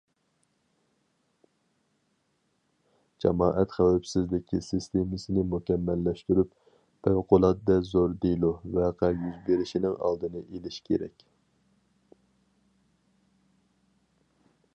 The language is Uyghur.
جامائەت خەۋپسىزلىكى سىستېمىسىنى مۇكەممەللەشتۈرۈپ، پەۋقۇلئاددە زور دېلو، ۋەقە يۈز بېرىشىنىڭ ئالدىنى ئېلىش كېرەك.